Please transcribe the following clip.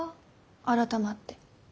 改まって。